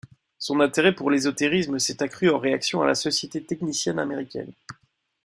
Son intérêt pour l'ésotérisme s'est accru en réaction à la société technicienne américaine.